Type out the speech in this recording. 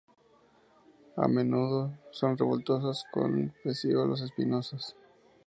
A menudo son revoltosos, con pecíolos espinosos.